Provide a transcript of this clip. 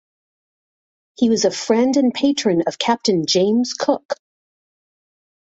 He was a friend and patron of Captain James Cook.